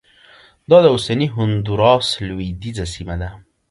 دا د اوسني هندوراس لوېدیځه سیمه ده